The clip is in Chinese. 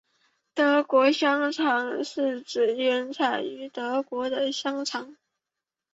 德国香肠是指原产于德国的香肠。